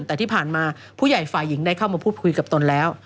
แต่ที่ผ่านมาผู้ใหญ่ฝ่ายหญิงได้เข้ามาพูดคุยกับตนแล้ว